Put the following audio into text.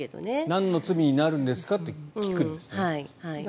なんの罪になるんですかと聞くんですね。